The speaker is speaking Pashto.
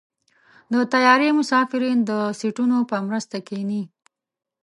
د طیارې مسافرین د سیټونو په مرسته کېني.